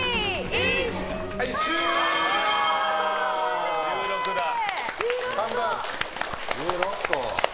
１６個。